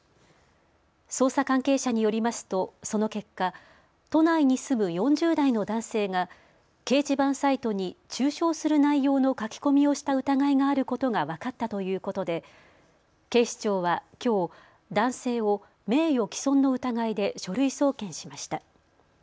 捜査関係者によりますとその結果、都内に住む４０代の男性が掲示板サイトに中傷する内容の書き込みをした疑いがあることが分かったということで警視庁はきょう男性を名誉毀損の疑いで書類送検しました。